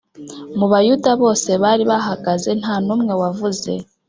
Mu Bayuda bose bari bahagaze ntanumwe wavuze.